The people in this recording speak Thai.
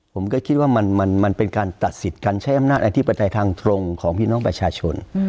ผมก็คิดว่ามันเป็นการตัดสิทธิ์การใช้อำนาจอธิปไตยทางตรงของพี่น้องประชาชน